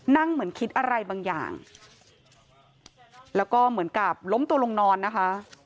นั่งเหมือนคิดอะไรบางอย่างแล้วก็เหมือนกับล้มตัวลงนอนนะคะ